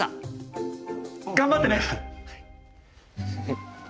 頑張ってね。